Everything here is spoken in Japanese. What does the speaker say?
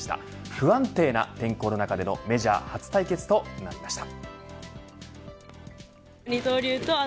不安定な天候の中でのメジャー初対決となりました。